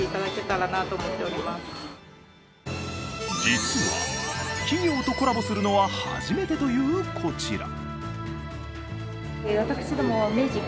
実は、企業とコラボするのは初めてというこちら。